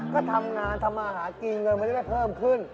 ก็ทำงานทำมาหากินเงินมันจะได้เพิ่มขึ้น